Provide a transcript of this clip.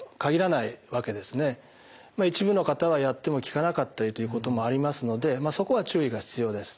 一部の方はやっても効かなかったりということもありますのでまあそこは注意が必要です。